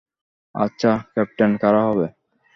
আচ্ছা, ক্যাপ্টেন কারা হবে?